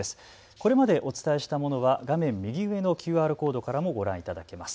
これまでお伝えしたものは画面右上のＱＲコードからもご覧いただけます。